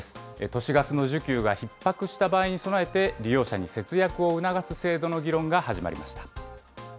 都市ガスの需給がひっ迫した場合に備えて、利用者に節約を促す制度の議論が始まりました。